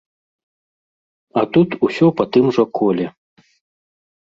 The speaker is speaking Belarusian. А тут усё па тым жа коле.